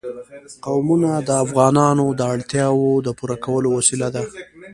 قومونه د افغانانو د اړتیاوو د پوره کولو وسیله ده.